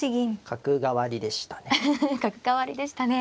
角換わりでしたね。